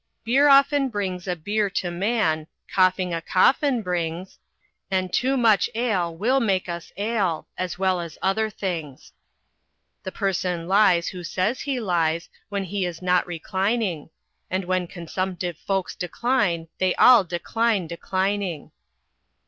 "Beer often brings a bier to man, Coughing a coffin brings, And too much ale will make us ail, As well as other things. "The person lies who says he lies When he is not reclining; And when consumptive folks decline, They all decline declining.